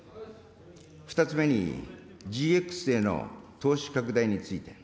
２つ目に、ＧＸへの投資拡大について。